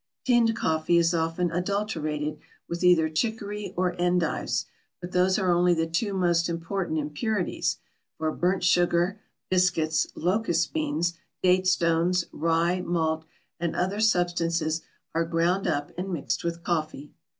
Tinned coffee is often adulterated with either Chicory or Endives, but those are only the two most important impurities, for burnt sugar, biscuits, locust beans, date stones, rye, malt, and other substances are ground up and mixed with coffee.